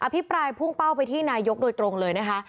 พิปรายพุ่งเป้าไปที่นายกโดยตรงเลยนะคะ